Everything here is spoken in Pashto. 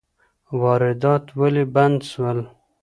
واردات ولي بند سول؟